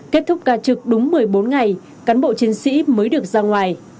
kết thúc ca trực đúng một mươi bốn ngày cán bộ chiến sĩ mới được ra ngoài